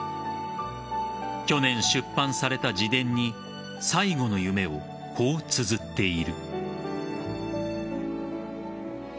去年、出版された自伝に最後の夢をこうつづっている。